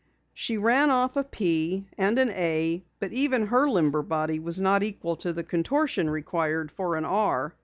She ran off a "P" and an "A" but even her limber body was not equal to the contortion required for an "R."